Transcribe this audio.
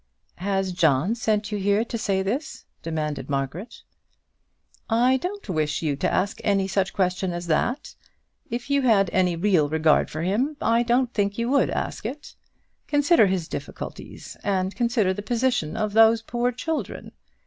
"Has John sent you here to say this?" demanded Margaret. "I don't wish you to ask any such question as that. If you had any real regard for him I don't think you would ask it. Consider his difficulties, and consider the position of those poor children!